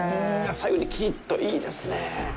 最後にキリッと、いいですねぇ。